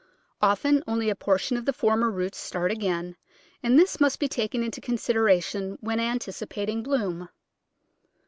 Often only a portion of the former roots start again, and this must be taken into consideration when anticipating bloom.